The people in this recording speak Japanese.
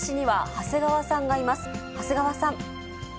長谷川さん。